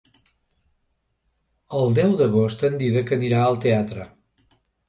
El deu d'agost en Dídac anirà al teatre.